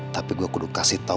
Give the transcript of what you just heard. tapi gue kudus kasih tau